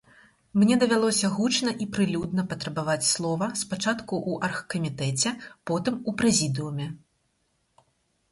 Мне давялося гучна і прылюдна патрабаваць слова спачатку ў аргкамітэце, потым у прэзідыуме.